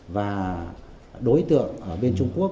và đối tượng ở bên trung quốc